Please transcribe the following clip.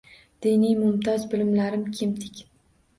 Diniy, mumtoz bilimlarim kemtik.